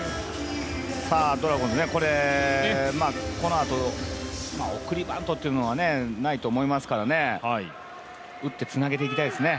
ドラゴンズ、これ、このあと、送りバントというのはないと思いますからね打ってつなげていきたいですね。